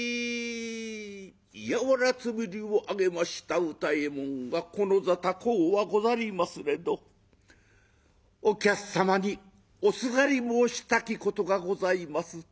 やおら頭を上げました歌右衛門が「この座高うはござりますれどお客様におすがり申したきことがございます。